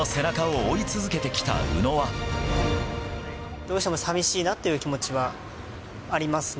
どうしても寂しいなっていう気持ちはありますね。